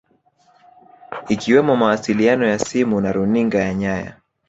Ikiwemo mawasiliano ya simu na runinga ya nyaya